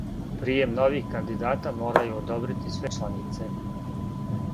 Пријем нових кандидата морају одобрити све чланице.